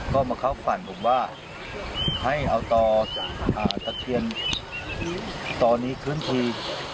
ก็มาเข้าฝันผมว่าให้เอาต่อตะเคียนตอนนี้ขึ้นที